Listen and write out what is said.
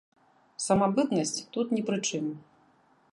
Самабытнасць тут не пры чым.